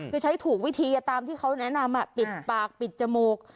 คือใช้ถูกวิธีตามที่เขาแนะนำปิดปากปิดจมูก